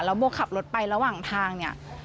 แล้วโบขับรถไประหว่างทางนี่